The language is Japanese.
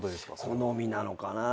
好みなのかな。